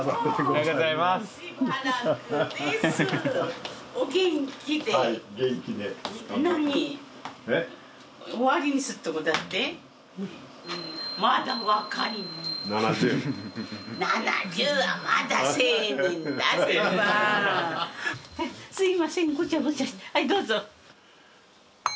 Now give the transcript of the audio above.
はいどうぞ。